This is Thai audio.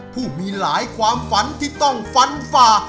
ผู้มีหลายความฝันที่ต้องฟันฝ่า